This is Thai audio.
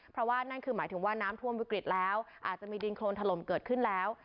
เพราะว่านั่นคือหมายถึงว่าน้ำท่วมวิกฤตแล้วอาจจะมีดินโครนถล่มเกิดขึ้นแล้ว